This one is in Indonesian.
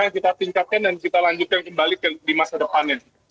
yang kita tingkatkan dan kita lanjutkan kembali di masa depannya